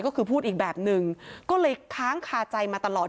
ก็คือพูดอีกแบบหนึ่งก็เลยค้างคาใจมาตลอด